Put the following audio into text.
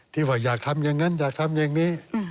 ที่ว่าอยากทำอย่างนั้นอยากทำอย่างนี้